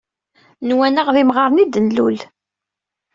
Nwan-aɣ d imɣaren i d-nlul.